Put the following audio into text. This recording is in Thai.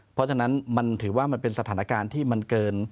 เพราะฉะนั้นมันถือว่ามันเป็นสถานการณ์ที่มันเกิน